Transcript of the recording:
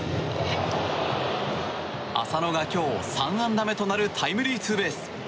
浅野が今日３安打目となるタイムリーツーベース。